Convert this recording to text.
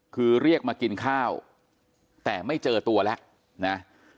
คือเรียกมากินข้าวแต่ไม่เจอตัวแล้วนะ